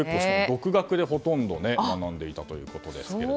独学でほとんど学ばれたということですが。